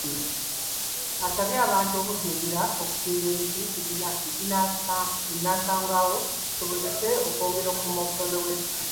Asabye abantu okujjumbira okusimba emiti ginnansangwa kisobozese okwongera okukuuma obutonde bw’ensi.